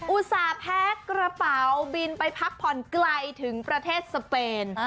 อุตส่าห์แพ้กระเป๋าบินไปพักผ่อนไกลถึงประเทศสเปน